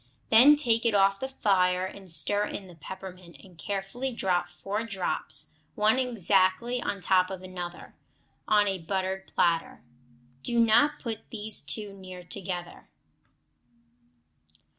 Then take it off the fire and stir in the peppermint, and carefully drop four drops, one exactly on top of another, on a buttered platter. Do not put these too near together.